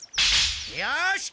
よし！